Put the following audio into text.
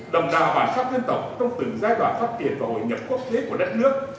đồng bào bản sắc dân tộc trong từng giai đoạn phát triển và hội nhập quốc tế của đất nước